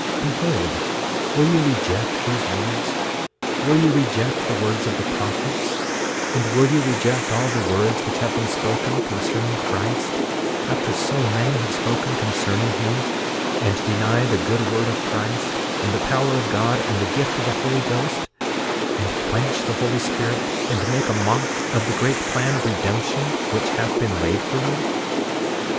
6:8 Behold, will ye reject these words? Will ye reject the words of the prophets; and will ye reject all the words which have been spoken concerning Christ, after so many have spoken concerning him; and deny the good word of Christ, and the power of God, and the gift of the Holy Ghost, and quench the Holy Spirit, and make a mock of the great plan of redemption, which hath been laid for you?